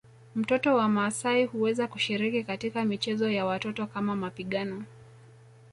Mtoto wa maasai huweza kushiriki katika michezo ya watoto kama mapigano